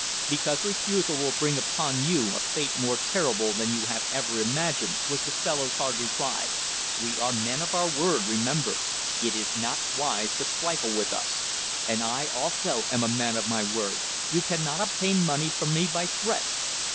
"Because refusal will bring upon you a fate more terrible than you have ever imagined," was the fellow's hard reply. "We are men of our word, remember! It is not wise to trifle with us." "And I am also a man of my word. You cannot obtain money from me by threats."